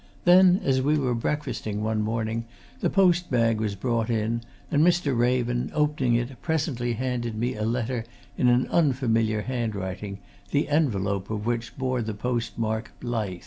Then, as we were breakfasting one morning, the post bag was brought in, and Mr. Raven, opening it, presently handed me a letter in an unfamiliar handwriting, the envelope of which bore the post mark Blyth.